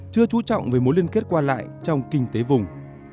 chưa trú trọng về mối liên kết qua lại trong kinh tế vùng